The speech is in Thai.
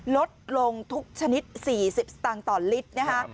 ลดลงทุกชนิดสี่สิบตังต่อลิตรนะคะครับ